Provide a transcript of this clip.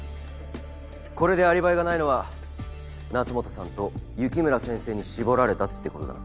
これでアリバイがないのは夏本さんと雪村先生に絞られたってことだな。